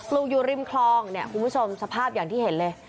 ลูกอยู่ริมคลองเนี่ยคุณผู้ชมสภาพอย่างที่เห็นเลย